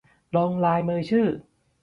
ลงลายมือชื่อ